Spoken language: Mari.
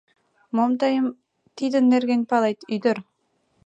— Мом тый тидын нерген палет, ӱдыр?